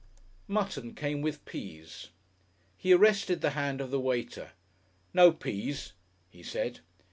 Mutton came with peas. He arrested the hand of the waiter. "No peas," he said.